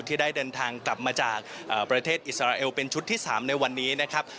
ที่ได้เดินทางกลับมาจากประเทศอิสราเอลเป็นชุดที่๓ในวันนี้นะครับ